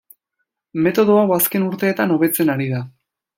Metodo hau azken urteetan hobetzen ari da.